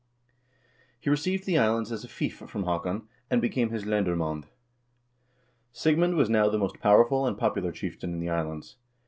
He received the islands as a fief from Haakon, and became his lendermand. Sig mund was now the most powerful and popular chieftain in the is lands.